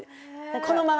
このまま。